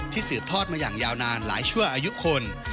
สืบทอดมาอย่างยาวนานหลายชั่วอายุคน